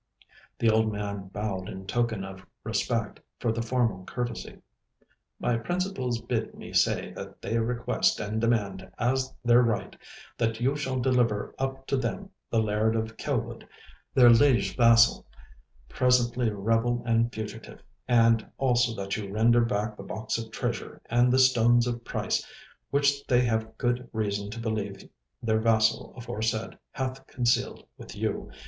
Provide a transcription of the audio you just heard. The old man bowed in token of respect for the formal courtesy. 'My principals bid me say that they request and demand as their right, that you shall deliver up to them the Laird of Kelwood, their liege vassal, presently rebel and fugitive; and also that you render back the box of treasure and the stones of price which they have good reason to believe their vassal aforesaid hath concealed with you.